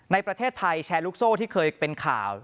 ในประเทศไทยแชร์ลูกโซ่ที่เคยเป็นข่าว